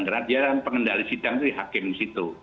karena dia pengendali sidang itu di hakim di situ